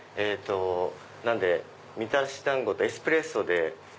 なのでみたらし団子とエスプレッソで。